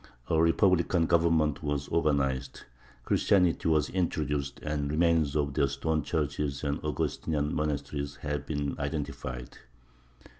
A republican government was organized; Christianity was introduced, and remains of their stone churches and Augustinian monasteries have been identified.